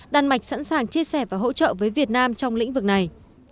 đan mạch sẵn sàng chia sẻ và hỗ trợ với việt nam trong lĩnh vực này